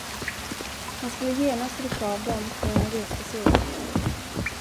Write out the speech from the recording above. Han skulle genast rycka av dem, när han reste sig upp.